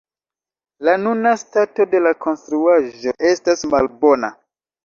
La nuna stato de la konstruaĵo estas malbona.